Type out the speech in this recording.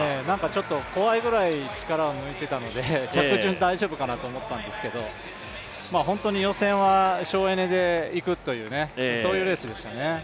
ちょっと怖いくらい力を抜いていたので着順大丈夫かなと思ったんですけど本当に予選は省エネでいくというレースでしたね。